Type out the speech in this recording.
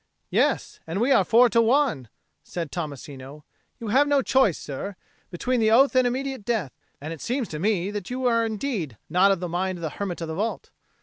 "Yes; and we are four to one," said Tommasino. "You have no choice, sir, between the oath and immediate death. And it seems to me that you are indeed not of the mind of the hermit of the vault."